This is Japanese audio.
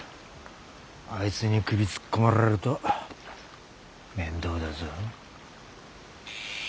あいつに首突っ込まれると面倒だぞ。